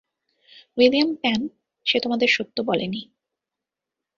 William Pan, সে তোমাদের সত্য বলে নি।